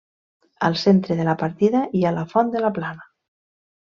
Al centre de la partida hi ha la Font de la Plana.